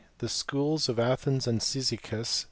THE SCHOOLS OF ATHENS AND CYZICUS*.